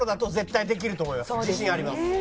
自信あります。